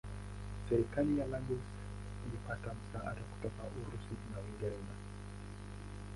Serikali ya Lagos ilipata msaada kutoka Urusi na Uingereza.